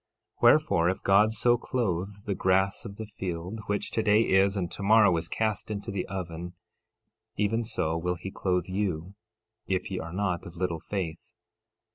13:30 Wherefore, if God so clothe the grass of the field, which today is, and tomorrow is cast into the oven, even so will he clothe you, if ye are not of little faith.